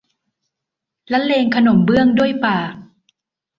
ละเลงขนมเบื้องด้วยปาก